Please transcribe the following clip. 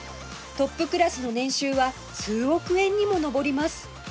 トップクラスの年収は数億円にも上ります